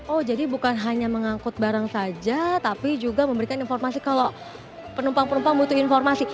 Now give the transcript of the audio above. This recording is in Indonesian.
oh jadi bukan hanya mengangkut barang saja tapi juga memberikan informasi kalau penumpang penumpang butuh informasi